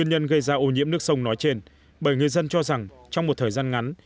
nguyên nhân gây ra ô nhiễm nước sông nói trên bởi người dân cho rằng trong một thời gian ngắn